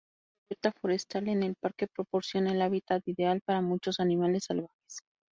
La cubierta forestal en el parque proporciona el hábitat ideal para muchos animales salvajes.